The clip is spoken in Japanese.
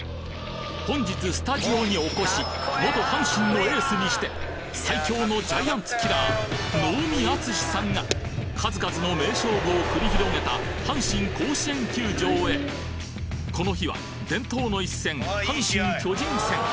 本日スタジオにお越し元・阪神のエースにしてが数々の名勝負を繰り広げた阪神甲子園球場へこの日は伝統の一戦阪神−巨人戦